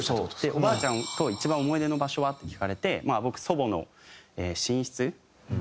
「おばあちゃんと一番思い出の場所は？」って聞かれて僕祖母の寝室だったんですけど。